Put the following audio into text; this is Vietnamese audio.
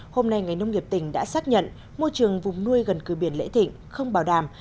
hôm nay ngành nông nghiệp tỉnh đã xác nhận môi trường vùng nuôi gần cửa biển lễ thịnh không bảo đảm